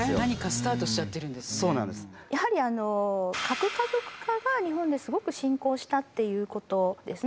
やはり核家族化が日本ですごく進行したっていうことですね。